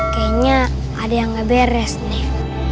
kayaknya ada yang gak beres nih